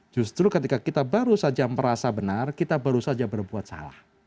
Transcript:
justru ketika kita baru saja merasa benar kita baru saja berbuat salah